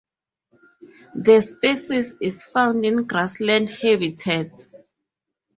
The species is found in grassland habitats.